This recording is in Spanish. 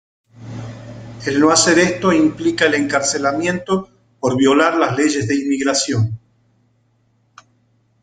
El no hacer esto implica el encarcelamiento por violar las leyes de inmigración.